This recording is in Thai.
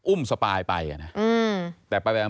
อุ้มสปายไป